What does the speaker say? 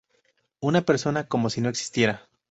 Una persona... como si no existiera.